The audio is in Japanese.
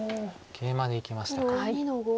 ケイマでいきましたか。